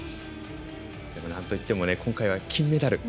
なんといっても今回は金メダル。